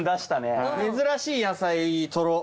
珍しい野菜取ろう。